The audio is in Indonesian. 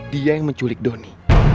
dia yang menculik doni